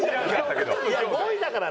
５位だから。